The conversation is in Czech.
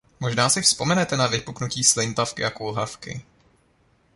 Možná si vzpomenete na vypuknutí slintavky a kulhavky?